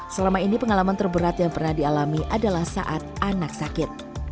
selama ini pengalaman terberat yang pernah dialami adalah saat anak sakit